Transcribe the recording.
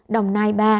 đồng nai ba